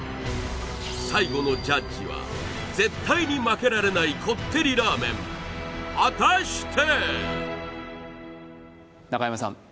最後のジャッジは絶対に負けられないこってりラーメン果たして！？